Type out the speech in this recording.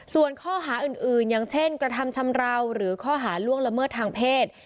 ส่วนข้อหาอื่นอย่างเช่นกระทำชำราวหรือข้อหาล่วงละเมิดทางเพศ